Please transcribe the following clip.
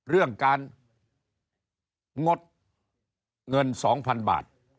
เรื่องการงดเงิน๒๐๐๐บาท